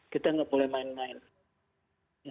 kita gak boleh main main itu